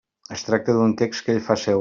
Es tracta d'un text que ell fa seu.